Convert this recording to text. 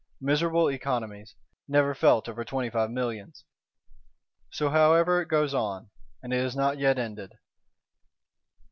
Miserable economies; never felt over Twenty five Millions! So, however, it goes on: and is not yet ended.